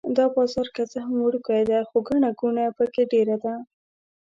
دا بازار که څه هم وړوکی دی خو ګڼه ګوڼه په کې ډېره ده.